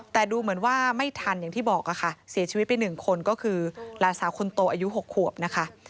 แต่ดูเหมือนว่าไม่ทันอย่างที่บอกค่ะเสียชีวิตไป๑คนก็คือหลานสาวคนโตอายุ๖ขวบนะคะ